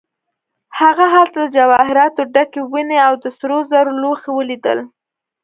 هغه هلته د جواهراتو ډکې ونې او د سرو زرو لوښي ولیدل.